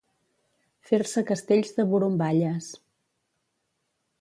Fer-se castells de borumballes.